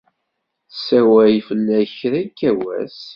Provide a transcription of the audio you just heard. Tessawal fell-ak kra yekka wass.